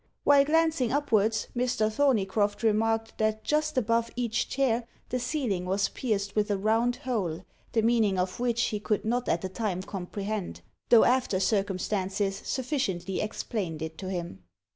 While glancing upwards, Mr. Thorneycroft remarked that just above each chair the ceiling was pierced with a round hole, the meaning of which he could not at the time comprehend, though after circumstances sufficiently explained it to him.